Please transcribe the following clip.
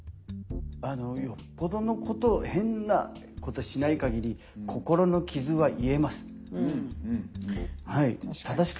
あのよっぽどのこと変なことしないかぎり心の傷は癒えます。